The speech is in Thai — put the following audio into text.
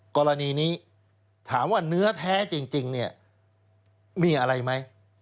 กรณีนี้ถามว่าเนื้อแท้จริงเนี่ยมีอะไรไหม